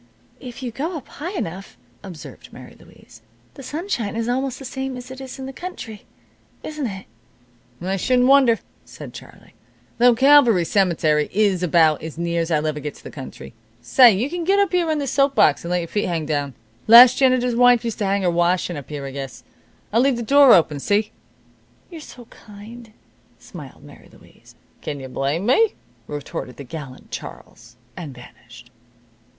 "If you go up high enough," observed Mary Louise, "the sunshine is almost the same as it is in the country, isn't it?" "I shouldn't wonder," said Charlie, "though Calvary cemetery is about as near's I'll ever get to the country. Say, you can set here on this soap box and let your feet hang down. The last janitor's wife used to hang her washin' up here, I guess. I'll leave this door open, see?" "You're so kind," smiled Mary Louise. "Kin you blame me?" retorted the gallant Charles. And vanished.